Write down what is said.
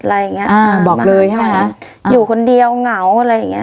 อะไรอย่างเงี้อ่าบอกเลยใช่ไหมคะอยู่คนเดียวเหงาอะไรอย่างเงี้